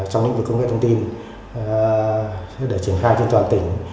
trong lĩnh vực công nghệ thông tin để triển khai trên toàn tỉnh